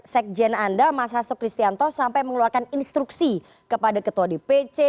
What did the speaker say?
sekjen anda mas hasto kristianto sampai mengeluarkan instruksi kepada ketua dpc